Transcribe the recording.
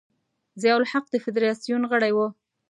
ضیا الحق د فدراسیون غړی و.